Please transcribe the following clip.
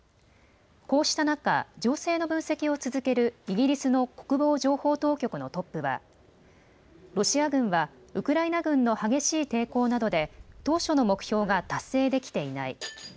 こうした中、情勢の分析を続けるイギリスの国防情報当局のトップはロシア軍はウクライナ軍の激しい抵抗などで当初の目標が達成できていない。